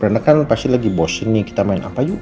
karena kan pasti lagi bosen nih kita main apa juga